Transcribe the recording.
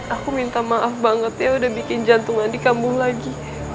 aku minta maaf banget ya udah bikin jantung mandi kambuh lagi